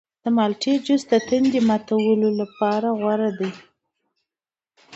د مالټې جوس د تندې ماته کولو لپاره غوره دی.